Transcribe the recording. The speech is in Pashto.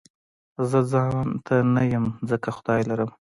زه ځانته نه يم ځکه خدای لرم